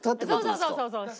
そうそうそうそうそう。